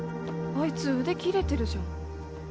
アイツ腕切れてるじゃん。